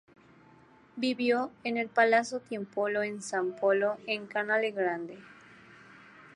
Vivió en el Palazzo Tiepolo en San Polo, en el Canale Grande.